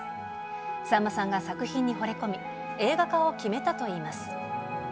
さんまさんが作品にほれ込み、映画化を決めたといいます。